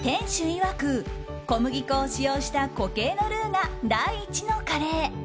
いわく小麦粉を使用した固形のルーが第１のカレー。